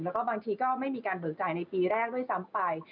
แล้วก็บางทีก็ไม่มีการเบิกจ่ายในปีแรกด้วยซ้ำไป